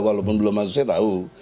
walaupun belum masuk saya tahu